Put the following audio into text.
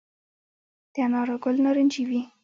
د انارو ګل نارنجي وي؟